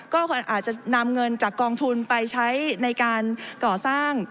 ก็อาจจะนำเงินจากกองทุนไปใช้ในการก่อสร้าง